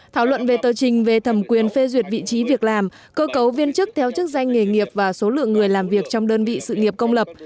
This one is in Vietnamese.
thảo luận về tờ trình về thẩm quyền phê duyệt vị trí việc làm cơ cấu viên chức theo chức danh nghề nghiệp và số lượng người làm việc trong đơn vị sự nghiệp công lập